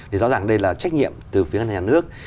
thì rõ ràng đây là trách nhiệm từ phía ngân hàng nhà nước